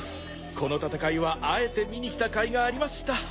この戦いはあえて見に来た甲斐がありました。